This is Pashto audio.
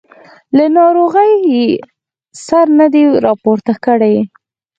له ناروغۍ یې سر نه دی راپورته کړی.